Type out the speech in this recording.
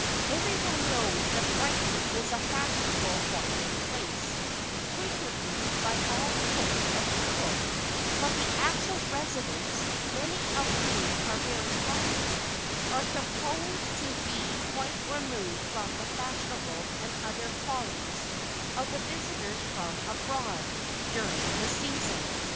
Every one knows that Brighton is a fashionable watering place, frequented by all sorts of people; but the actual residents, many of whom are very wealthy, are supposed to be quite removed from the fashionable and other follies of the visitors from abroad during the "season."